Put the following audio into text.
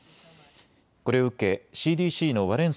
これを受けＣＤＣのワレン